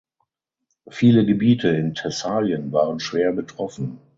Viele Gebiete in Thessalien waren schwer betroffen.